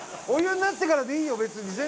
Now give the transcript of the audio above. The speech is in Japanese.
お湯になってからでいいよ別に。